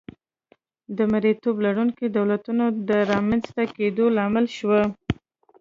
د مریتوب لرونکو دولتونو د رامنځته کېدا لامل شوه.